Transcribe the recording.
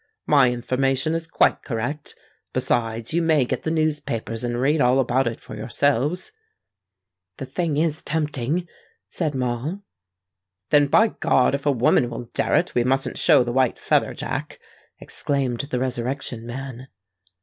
My information is quite correct. Besides, you may get the newspapers and read all about it for yourselves." "The thing is tempting," said Moll. "Then, by God, if a woman will dare it, we mustn't show the white feather, Jack," exclaimed the Resurrection Man.